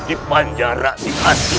di panjarak di antusen